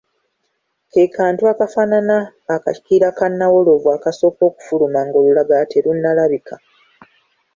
Ke kantu akafaanana akakira ka nnawolovu akasooka okufuluma ng'olulagala terunnalabika.